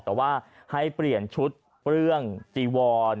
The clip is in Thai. แต่ว่าให้เปลี่ยนชุดเรื่องจีวอน